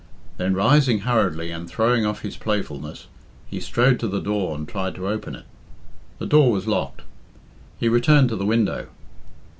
Then rising hurriedly and throwing off his playfulness, he strode to the door and tried to open it. The door was locked. He returned to the window.